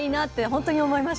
本当に思いました。